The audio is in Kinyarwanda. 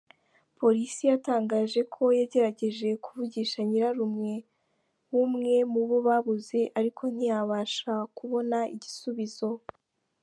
Polisi yatangaje ko yagerageje kuvugisha nyirarume w’umwe mu babuze ariko ntiyabasha kubona igisubizo.